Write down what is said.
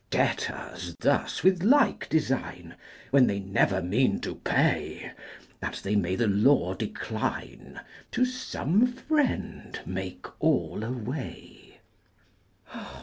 Debtors thus with like design, When they never mean to pay, That they may the law decline, To some friend make all away.